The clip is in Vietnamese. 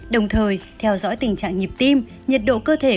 đồng thời theo dõi tình trạng nhịp tim nhiệt độ cơ thể